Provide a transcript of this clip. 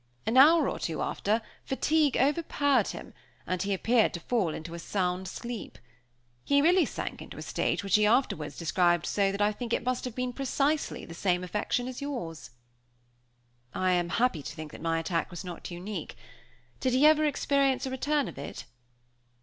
An hour or two after, fatigue overpowered him, and he appeared to fall into a sound sleep. He really sank into a state which he afterwards described so that I think it must have been precisely the same affection as yours." "I am happy to think that my attack was not unique. Did he ever experience a return of it?"